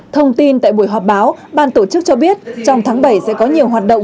thông tin tại buổi họp báo ban tổ chức cho biết trong tháng bảy sẽ có nhiều hoạt động